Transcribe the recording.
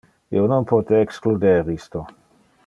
Io non pote excluder isto.